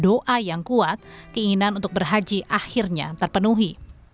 doa yang kuat keinginan untuk berhaji akhirnya terpenuhi